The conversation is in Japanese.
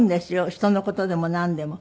人の事でもなんでも。